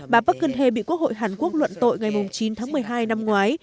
bà park geun hye bị quốc hội hàn quốc luận tội ngày chín tháng một mươi hai năm ngoái